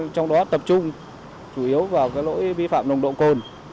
trong đó tập trung chủ yếu vào lỗi vi phạm nồng độ cồn